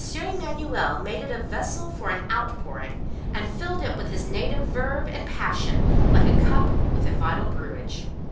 Emanuel made it a vessel for an outpouring, and filled it with his native verve and passion like a cup with a vital brewage.